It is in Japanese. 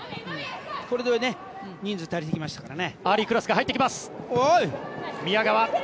これで人数が足りてきましたからね。